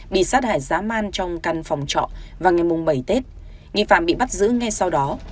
bị sát hại giá man trong căn phòng trọ vào ngày bảy tết nghi phạm bị bắt giữ ngay sau đó